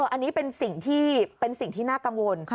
อันนี้เป็นสิ่งที่น่ากังวล